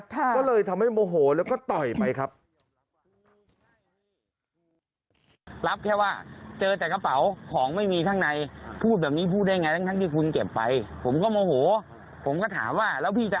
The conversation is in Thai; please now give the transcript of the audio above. ก็เลยทำให้โมโหแล้วก็ต่อยไปครับ